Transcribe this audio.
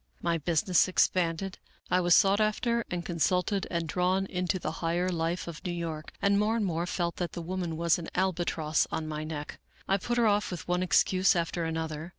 My business expanded. I was sought after and consulted and drawn into the higher life of New York, and more and more felt that the woman was an albatross on my neck. I put her off with one excuse after another.